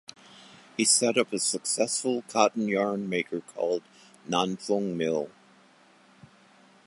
He set up a successful cotton-yarn maker called Nan Fung Mill.